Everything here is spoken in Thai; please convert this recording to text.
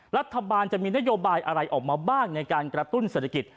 รัฐบาลจะมีนโยบายอะไรออกมาบ้างในการกระตุ้นเศรษฐกิจ